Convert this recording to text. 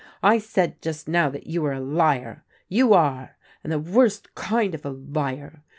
I said just now that you were a liar; you are; and the worst kind of a liar.